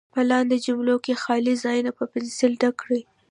په لاندې جملو کې خالي ځایونه په پنسل ډک کړئ.